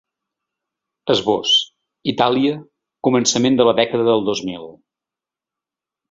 Esbós: Itàlia, començament de la dècada del dos mil.